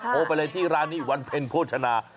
โทรไปเลยที่ร้านนี้วันเพ็ญโภชนา